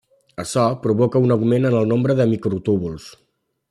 Açò provoca un augment en el nombre de microtúbuls.